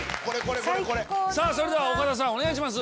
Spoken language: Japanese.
それでは岡田さんお願いします。